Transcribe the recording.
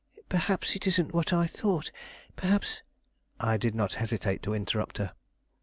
Perhaps it isn't what I thought; perhaps " I did not hesitate to interrupt her.